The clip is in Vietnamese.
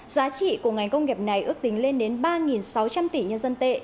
giá trị của ngành công nghiệp này ước tính lên đến ba sáu trăm linh tỷ nhân dân tệ